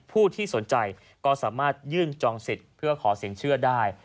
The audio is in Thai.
ผู้ที่สนใจก็สามารถยื่นจองสิทธิ์เพื่อขอสินเชื่อได้